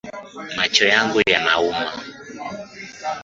Macho yangu yanauma